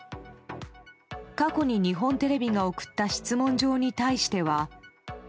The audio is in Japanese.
過去に日本テレビが送った質問状に対しては。